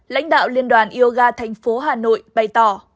lãnh đạo liên đoàn yoga thành phố hà nội bày tỏ